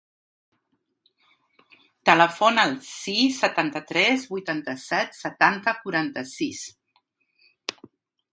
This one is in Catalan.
Telefona al sis, setanta-tres, vuitanta-set, setanta, quaranta-sis.